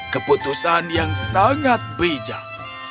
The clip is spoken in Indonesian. keputusan yang sangat bijak